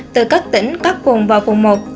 từ các tỉnh các vùng và vùng một